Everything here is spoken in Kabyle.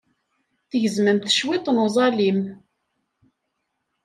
Tgezmemt cwiṭ n uẓalim.